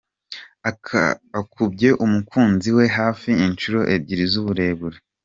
Akubye umukunzi we hafi inshuro ebyiri z’uburebure